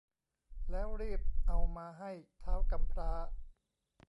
แล้วรีบเอามาให้ท้าวกำพร้า